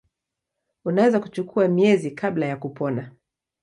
Unaweza kuchukua miezi kabla ya kupona.